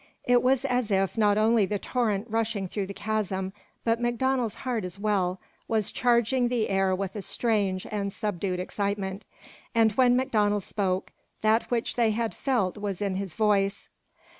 It was as if not only the torrent rushing through the chasm, but MacDonald's heart as well, was charging the air with a strange and subdued excitement. And when MacDonald spoke, that which they had felt was in his voice.